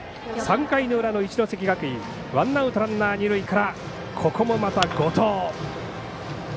３回の裏の一関学院ワンアウトランナー、二塁からここもまた後藤。